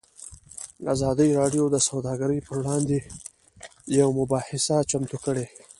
ازادي راډیو د سوداګري پر وړاندې یوه مباحثه چمتو کړې.